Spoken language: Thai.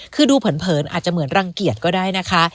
คือดูเผินอาจจะเหมือนรังเกียจก็ได้นะคะ